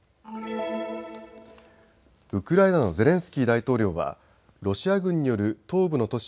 ウクライナのゼレンスキー大統領はロシア軍による東部の都市